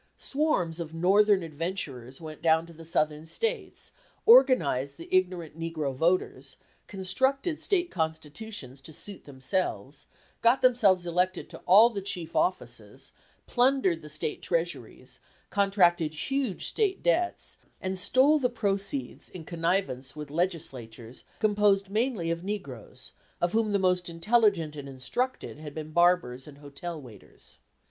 Swarms of Northern adventurers went down to the Southern States, organized the ignorant negro voters, constructed State constitutions to suit themselves, got themselves elected to all the chief offices, plundered the State treasuries, contracted huge State debts, and stole the proceeds in connivance with legislatures composed mainly of negroes, of whom the most intelligent and instructed had been barbers and hotel waiters.